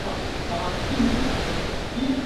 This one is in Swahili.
Mama huyu ni muongo sana